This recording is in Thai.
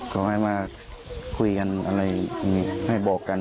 ก็ให้มาคุยกันอะไรให้บอกกัน